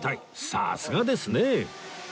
さすがですね！